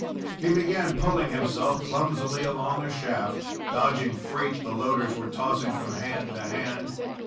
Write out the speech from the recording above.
He began pulling himself clumsily along a shaft, dodging freight the loaders were tossing from hand to hand.